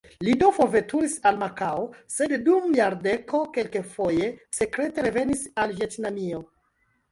Li do forveturis al Makao, sed dum jardeko kelkfoje sekrete revenis al Vjetnamio.